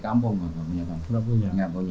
karena dataran paling tinggi